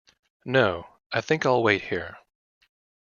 No, I think I'll wait here.